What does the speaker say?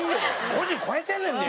５０超えてんねんで。